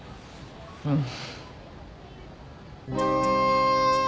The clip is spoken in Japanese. うん。